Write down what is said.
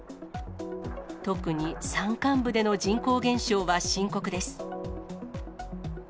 特に山間部での人口減少は深刻です。